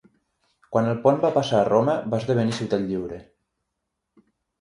Quan el Pont va passar a Roma, va esdevenir ciutat lliure.